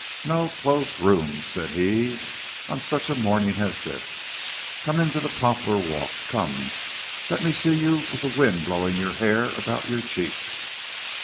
"No close rooms," said he, "on such a morning as this. Come into the poplar walk, come; let me see you with the wind blowing your hair about your cheeks."